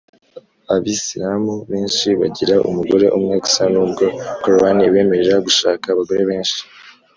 abisilamu benshi bagira umugore umwe gusa nubwo korowani ibemerera gushaka abagore benshi